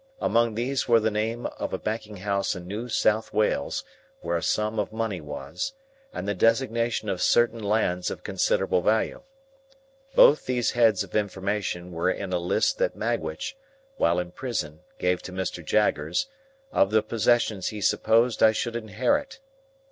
Among these were the name of a banking house in New South Wales, where a sum of money was, and the designation of certain lands of considerable value. Both these heads of information were in a list that Magwitch, while in prison, gave to Mr. Jaggers, of the possessions he supposed I should inherit.